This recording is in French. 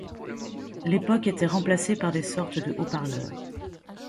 Les cornets habituels de l’époque étaient remplacés par des sortes de haut-parleurs.